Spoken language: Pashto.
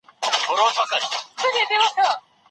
په ټولنه کي مثبت بدلون ته اړتیا سته.